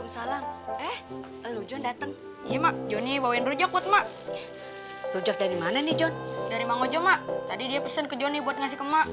sampai jumpa di video selanjutnya